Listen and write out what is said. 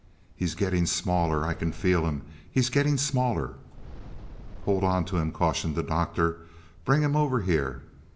"He's getting smaller, I can feel him. He's getting smaller." "Hold on to him," cautioned the Doctor. "Bring him over here."